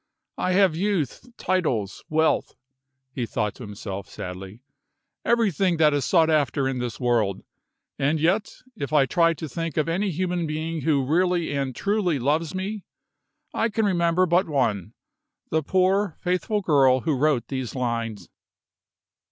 "I have youth, titles, wealth," he thought to himself, sadly; "everything that is sought after in this world. And yet if I try to think of any human being who really and truly loves me, I can remember but one the poor, faithful girl who wrote these lines!"